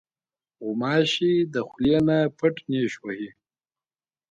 غوماشې د خولې نه پټه نیش وهي.